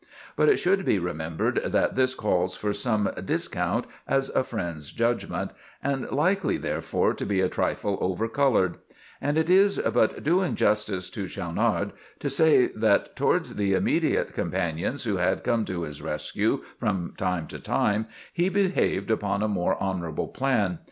But it should be remembered that this calls for some discount as a friend's judgment, and likely, therefore, to be a trifle over colored; and it is but doing justice to Schaunard to say that, towards the immediate companions who had come to his rescue from time to time, he behaved upon a more honorable plan.